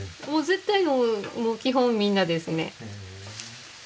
絶対もう基本みんなですね。